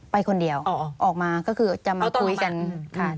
ไปคนเดียวออกมาก็คือจะมาคุยกันค่ะ